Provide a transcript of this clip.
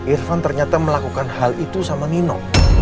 irfan ternyata melakukan hal itu sama nino